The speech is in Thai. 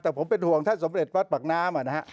แต่ผมเป็นห่วงท่านสมเด็จวัดปากน้ำ